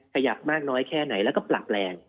ขยับมากน้อยแค่ไหนแล้วก็ปรับแรง